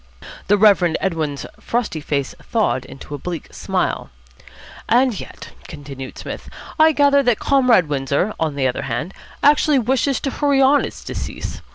The Reverend Edwin's frosty face thawed into a bleak smile. "And yet," continued Psmith, "I gather that Comrade Windsor, on the other hand, actually wishes to hurry on its decease.